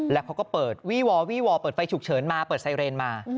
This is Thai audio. แล้วเขาก็เปิดวี่วอวี่วอเปิดไฟฉุกเฉินมาเปิดไซเรนมา